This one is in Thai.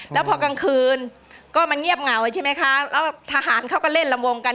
แล้วพอกลางคืนก็มันเงียบเหงาใช่ไหมคะแล้วทหารเขาก็เล่นลำวงกัน